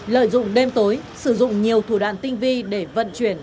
lợi dụng đêm tối sử dụng nhiều thủ đoạn tinh vi để vận chuyển